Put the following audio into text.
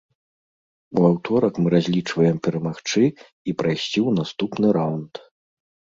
У аўторак мы разлічваем перамагчы і прайсці ў наступны раўнд.